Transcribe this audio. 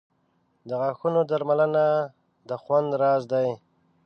• د غاښونو درملنه د خوند راز دی.